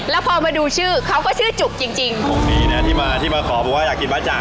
แล้วพอมาดูชื่อเขาก็ชื่อจุกจริงคงดีนะที่มาขอบอกว่าอยากกินบะจัง